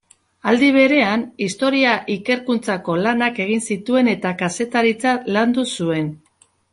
Aldi berean, historia-ikerkuntzako lanak egin zituen eta kazetaritza landu zuen.